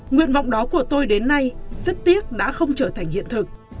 nguyện vọng đó của tôi đến nay rất tiếc đã không trở thành hiện thực